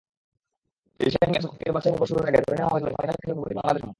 Asian Games হকির বাছাইপর্ব শুরুর আগে ধরে নেওয়া হয়েছিল, ফাইনাল খেলবে স্বাগতিক বাংলাদেশ-ওমান।